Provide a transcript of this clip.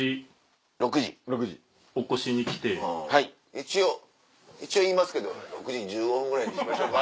一応一応言いますけど６時１５分ぐらいにしましょか。